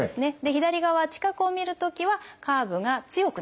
左側近くを見るときはカーブが強くなっています。